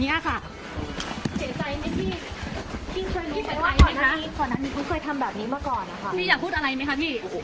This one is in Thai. พี่เสียใจไหมคะ